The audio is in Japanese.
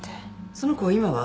その子今は？